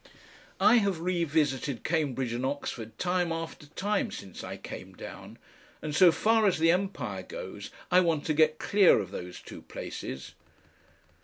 I have revisited Cambridge and Oxford time after time since I came down, and so far as the Empire goes, I want to get clear of those two places....